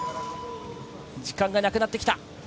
時間がなくなってきた。